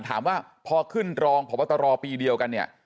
ถามว่าพอขึ้นรองพบตรปีเดียวกันเนี่ย